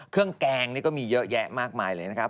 เครื่องแกงก็มีเยอะแยะมากมายเลยนะคะ